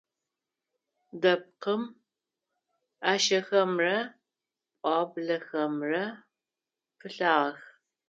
Дэпкъым ӏашэхэмрэ пӏуаблэхэмрэ пылъагъэх.